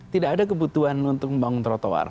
tidak ada kebutuhan untuk membangun trotoar